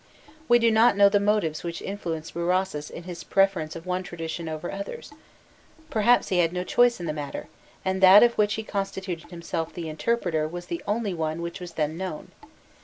We do not know the motives which influenced Berossus in his preference of one tradition over others; perhaps he had no choice in the matter, and that of which he constituted himself the interpreter was the only one which was then known.